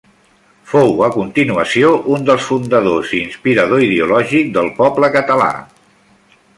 Fou, a continuació, un dels fundadors i inspirador ideològic d'El Poble Català.